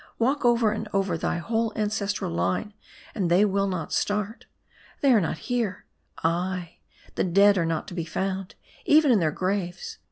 Walk over and over thy whole ancestral line, and the^ will not start. They are not here. Ay, the dead are not to be found, even in their graves.